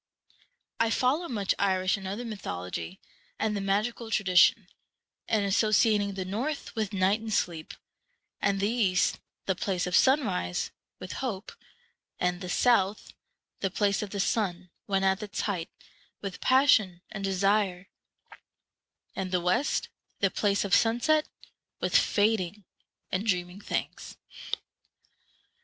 I follow much Irish and other mythology, and the magical tradition, in associating the North with night and sleep, and the East, the place of sunrise, with hope, and the South, the place of the sun when at its height, with passion and desire, and the West, the place of sunset, with fading and dreaming things.